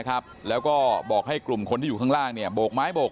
แล้วก็บอกให้กลุ่มคนที่อยู่ข้างล่างเนี่ยโบกไม้โบก